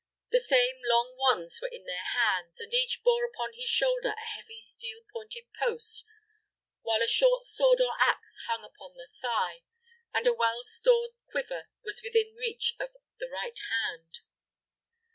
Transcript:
The same long wands were in their hands, and each bore upon his shoulder a heavy, steel pointed post, while a short sword or ax hung upon the thigh, and a well stored quiver was within reach of the right hand.